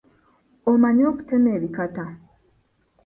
Omanyi okutema ebikata?